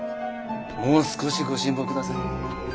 もう少しご辛抱ください。